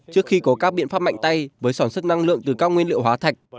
trước khi có các biện pháp mạnh tay với sản xuất năng lượng từ các nguyên liệu hóa thạch